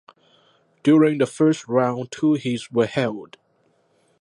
During the first round two heats were held.